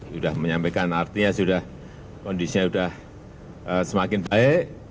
sudah menyampaikan artinya sudah kondisinya sudah semakin baik